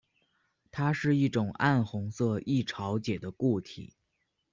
它是一种暗红色易潮解的固体。